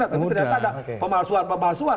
tapi ternyata ada pemalsuan pemalsuan